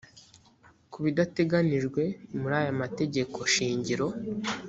ku bidateganijwe muri aya mategeko shingiro